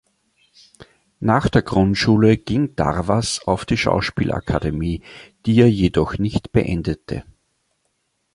Nach der Grundschule ging Darvas auf die Schauspielakademie, die er jedoch nicht beendete.